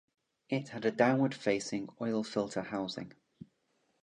It had a downward facing oil filter housing.